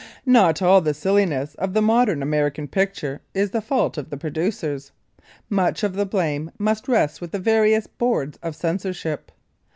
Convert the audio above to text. Not all the silliness of the modern American picture is the fault of the producers. Much of the blame must rest with the various boards of censorship.